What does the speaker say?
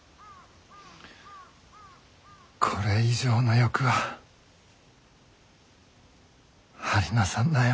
これ以上の欲は張りなさんなよ。